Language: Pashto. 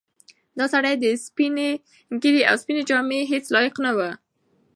دا سړی د سپینې ږیرې او سپینې جامې هیڅ لایق نه و.